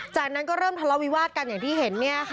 จากนั้นก็เริ่มทะเลาวิวาสกันอย่างที่เห็น